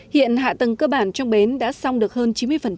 hiện hạ tầng cơ bản trong bến đã xong được hơn chín mươi